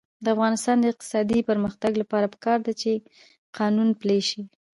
د افغانستان د اقتصادي پرمختګ لپاره پکار ده چې قانون پلی شي.